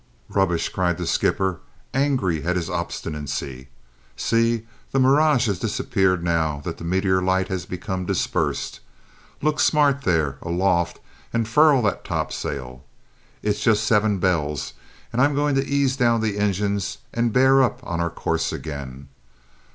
"Rubbish!" cried the skipper, angry at his obstinacy. "See, the mirage has disappeared now that the meteor light has become dispersed. Look smart there, aloft, and furl that topsail! It's just seven bells and I'm going to ease down the engines and bear up on our course again.